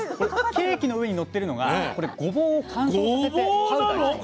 ケーキの上にのってるのがこれごぼうを乾燥させてパウダーにします。